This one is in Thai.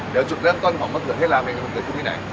เดี๋ยวจุดเรื่องต้นของมะเขือเทศราเมงคือคุณเกี่ยวกับที่ไหน